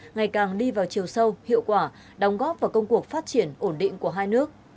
ngày càng đi vào chiều sâu hiệu quả đóng góp vào công cuộc phát triển ổn định của hai nước